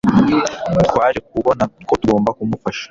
Twaje kubona ko tugomba kumufasha